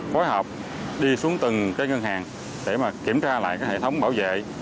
phối hợp đi xuống từng cái ngân hàng để mà kiểm tra lại cái hệ thống bảo vệ